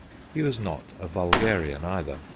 He was not a vulgarian either.